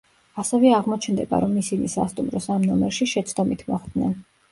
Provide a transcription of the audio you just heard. ასევე აღმოჩნდება, რომ ისინი სასტუმროს ამ ნომერში შეცდომით მოხვდნენ.